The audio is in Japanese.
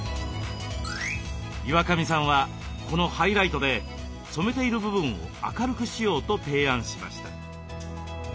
岩上さんはこのハイライトで染めている部分を明るくしようと提案しました。